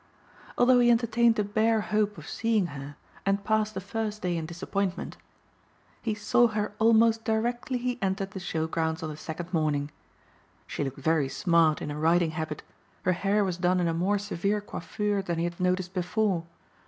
Although he entertained a bare hope of seeing her and passed the first day in disappointment, he saw her almost directly he entered the show grounds on the second morning. She looked very smart in her riding habit, her hair was done in a more severe coiffure than he had noticed before.